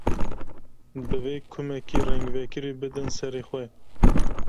Divê kumekî rengvekirî bidin serê xwe.